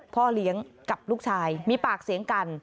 พ่อเลี้ยงกับลูกชายมีปากเสียงกัน